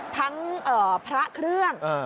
ทั้งพระเครื่อง